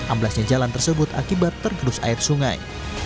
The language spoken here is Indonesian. amblesnya jalan tersebut akibat tergedus air sungai